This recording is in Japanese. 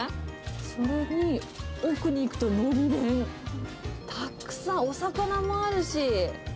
それに奥に行くと、のり弁、たくさん、お魚もあるし。